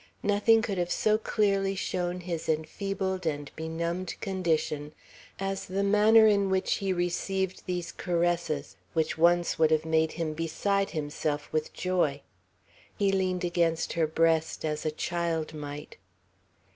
Nothing could have so clearly shown his enfeebled and benumbed condition, as the manner in which he received these caresses, which once would have made him beside himself with joy. He leaned against her breast as a child might.